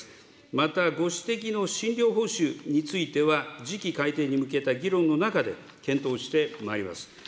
またご指摘の診療報酬については、次期改定に向けた議論の中で、検討してまいります。